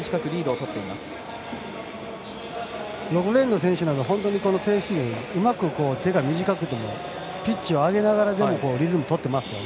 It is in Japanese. ６レーンの選手なんかは腕が短くてもピッチを上げながらでもリズムを取っていますね。